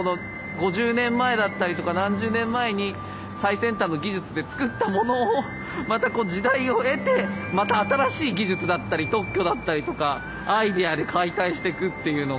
５０年前だったりとか何十年前に最先端の技術で造ったものをまたこう時代を経てまた新しい技術だったり特許だったりとかアイデアで解体していくっていうのが。